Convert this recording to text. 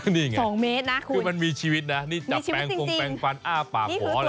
นี่ไงคือมันมีชีวิตนะจับแปลงฟงแปลงฟันอ้าวป่าหัวอะไรแนี่ย